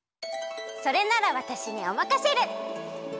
それならわたしにおまかシェル！